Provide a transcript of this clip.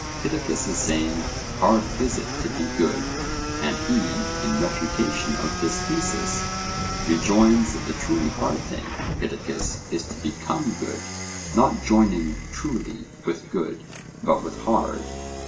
Pittacus is saying 'Hard is it to be good,' and he, in refutation of this thesis, rejoins that the truly hard thing, Pittacus, is to become good, not joining 'truly' with 'good,' but with 'hard.'